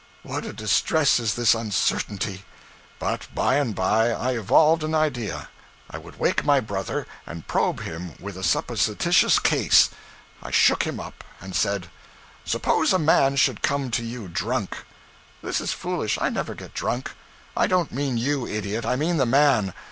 what a distress is this uncertainty! But by and by I evolved an idea I would wake my brother and probe him with a supposititious case. I shook him up, and said 'Suppose a man should come to you drunk ' 'This is foolish I never get drunk.' 'I don't mean you, idiot I mean the man.